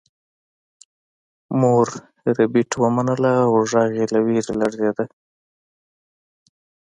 مور ربیټ ومنله او غږ یې له ویرې لړزیده